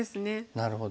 なるほど。